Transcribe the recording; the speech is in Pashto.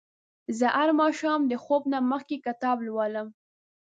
زه هر ماښام د خوب نه مخکې کتاب لولم.